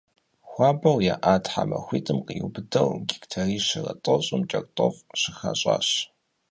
Хуабэу яӏа тхьэмахуитӏым къриубыдэу гектарищэрэ тӏощӏым кӏэртӏоф щыхащӏащ.